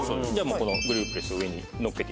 このグリルプレスを上にのっけて。